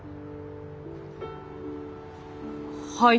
はい。